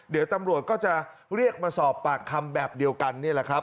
เดี๋ยวตำรวจก็จะเรียกมาสอบปากคำแบบเดียวกันนี่แหละครับ